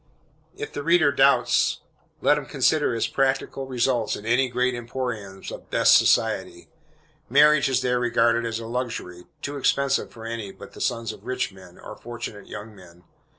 If the reader doubts, let him consider its practical results in any great emporiums of "best society." Marriage is there regarded as a luxury, too expensive for any but the sons of rich men, or fortunate young men.